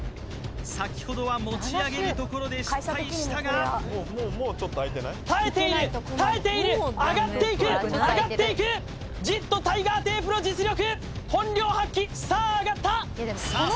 先ほどは持ち上げるところで失敗したが耐えている耐えている上がっていく上がっていくジットタイガーテープの実力本領発揮さあ上がったさあ